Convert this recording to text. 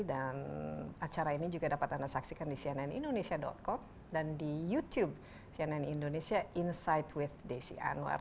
dan acara ini juga dapat anda saksikan di cnnindonesia com dan di youtube cnn indonesia insight with desi anwar